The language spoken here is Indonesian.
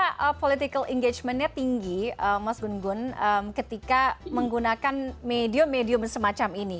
karena political engagementnya tinggi mas gun gun ketika menggunakan medium medium semacam ini